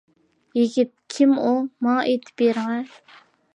يىگىت : كىم ئۇ؟ ماڭا ئېيتىپ بېرىڭە.